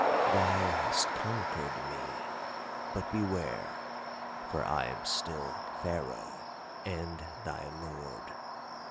Thou hast conquered me, but beware, for I am still Pharaoh and thy Lord.